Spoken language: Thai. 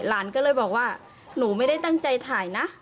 หลานก็เลยบอกว่าหนูไม่ได้ตั้งใจถ่ายนะ